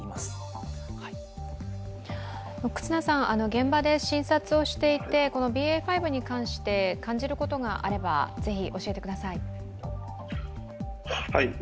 現場で診察をしていて、ＢＡ．５に関して感じることがあれば是非、教えてください。